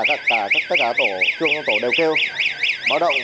và tất cả tổ trung tổ đều kêu báo động